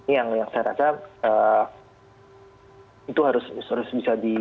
ini yang saya rasa itu harus bisa di